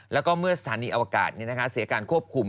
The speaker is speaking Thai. แล้วก็เมื่อสถานีอวกาศเสียการควบคุม